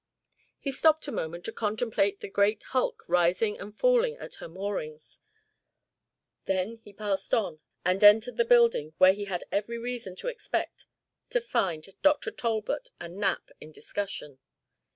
He stopped a moment to contemplate the great hulk rising and falling at her moorings, then he passed on and entered the building where he had every reason to expect to find Dr. Talbot and Knapp in discussion.